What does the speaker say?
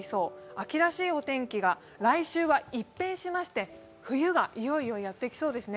秋らしいお天気が、来週は一変しまして、冬がいよいよやってきそうですね。